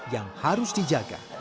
yang harus dijaga